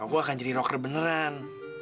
aku akan jadi rocker beneran